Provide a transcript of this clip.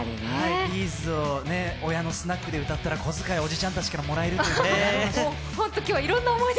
’ｚを親のスナックで歌ったらこづかい、おじちゃんたちからもらえるのでね。